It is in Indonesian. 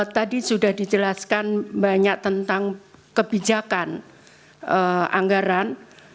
tadi sudah dijelaskan banyak tentang kebijakan anggaran